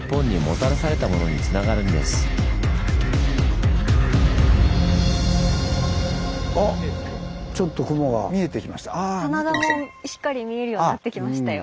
棚田もしっかり見えるようになってきましたよ。